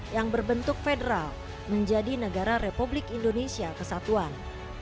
yang berbentuk federal menjadi negara republik indonesia kesatuan